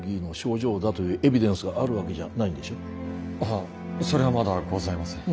あそれはまだございません。